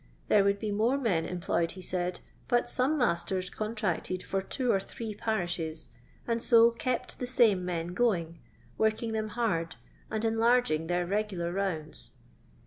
There would be more men employed, he said, but some masters contracted for two or three parishes, and so " kept the same men going," working them hard, and enlarging their regular rounds.